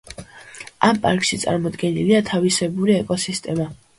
ამ პარკში წარმოდგენილია თავისებური ეკოსისტემა.